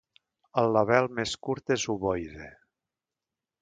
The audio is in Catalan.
El label més curt és ovoide.